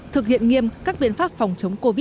thực hiện nghiêm các biện pháp phòng chống covid một mươi